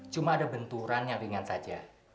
cuma ada benturan yang ringan saja